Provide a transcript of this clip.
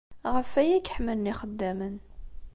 Ɣef waya ay k-ḥemmlen yixeddamen.